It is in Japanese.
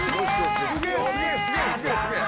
すげえ